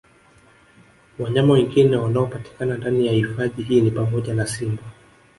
Wanyama wengine wanaopatikana ndani ya hifadhi hii ni pamoja na Simba